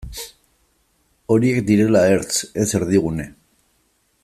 Horiek direla ertz, ez erdigune.